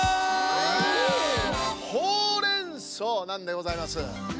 なんでございます。